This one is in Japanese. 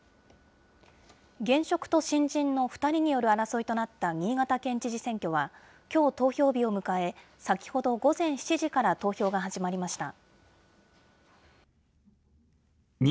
現職と新人の２人による争いとなった新潟県知事選挙は、きょう投票日を迎え、先ほど午前７時から投票が始まりました。